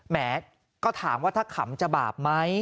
แหมก็ถามว่าถ้าขำจะบาปไหม